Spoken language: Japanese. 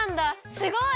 すごい！